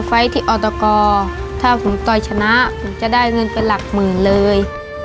ไฟล์ที่ออตกถ้าผมต่อยชนะผมจะได้เงินเป็นหลักหมื่นเลย